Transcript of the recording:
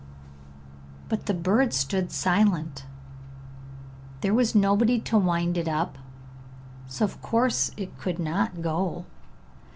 But the bird stood silent; there was nobody to wind it up, so of course it could not go.